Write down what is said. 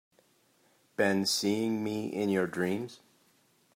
Been seeing me in your dreams?